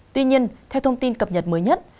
tuy nhiên theo thông tin cập nhật mới nhất